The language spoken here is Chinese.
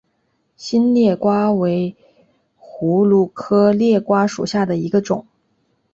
新裂瓜为葫芦科裂瓜属下的一个种。